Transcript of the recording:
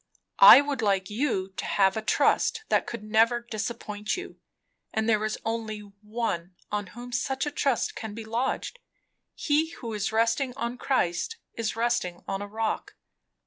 I would like you to have a trust that could never disappoint you; and there is only One on whom such a trust can be lodged. He who is resting on Christ, is resting on a rock."